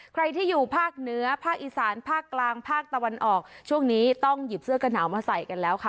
ใครที่อยู่ภาคเหนือภาคอีสานภาคกลางภาคตะวันออกช่วงนี้ต้องหยิบเสื้อกระหนาวมาใส่กันแล้วค่ะ